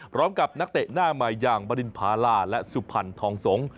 นักเตะหน้าใหม่อย่างบรินพาราและสุพรรณทองสงฆ์